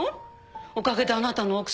おかげであなたの奥さん